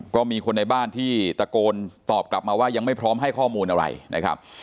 ก็มีคนในบ้านที่ตะโกนตอบกลับมาว่ายังไม่พร้อมให้ข้อมูลอะไรนะครับ